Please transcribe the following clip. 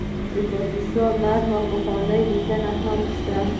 د کاپیسا نوم په پخوانیو لیکنو کې شته